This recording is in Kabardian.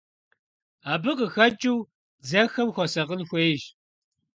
Абы къыхэкӀыу дзэхэм хуэсакъын хуейщ.